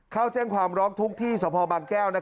เข้าแจ้งความร้องทุกข์ที่สพบางแก้ว